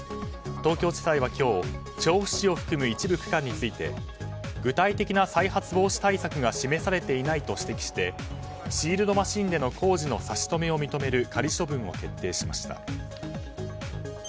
東京地裁は今日、調布市を含む一部区間について具体的な再発防止対策が示されていないと指摘してシールドマシンでの工事の差し止めを認める仮処分を決定しました。